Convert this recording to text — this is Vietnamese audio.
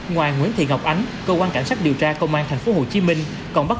ngoài nguyễn thị ngọc ánh cơ quan cảnh sát điều tra công an thành phố hồ chí minh còn bắt